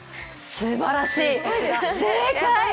すばらしい、正解！